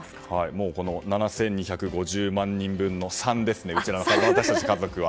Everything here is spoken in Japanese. もう、７２５０万分の３ですね私たち家族は。